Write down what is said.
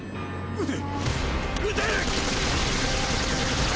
うっ！